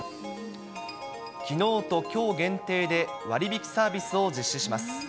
きのうときょう限定で、割引サービスを実施します。